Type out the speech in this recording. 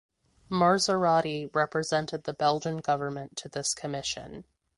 Marzorati represented the Belgian government to this commission.